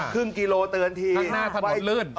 ครึ่งกิโลเตือนทีหน้าถนนเลื่อนครับ